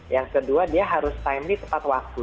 yang kedua dia harus timlly tepat waktu